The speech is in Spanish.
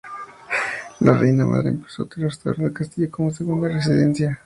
La Reina Madre empezó a restaurar el castillo como segunda residencia.